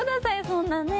そんなね。